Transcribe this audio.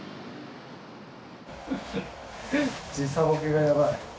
時差ボケがやばい。